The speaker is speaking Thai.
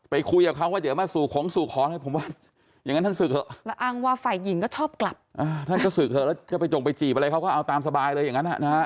ไปคุยกับเขาก็เดี๋ยวมาสู่ของสู่ข้อน